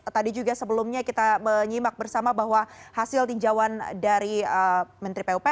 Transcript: tadi juga sebelumnya kita menyimak bersama bahwa hasil tinjauan dari menteri pupr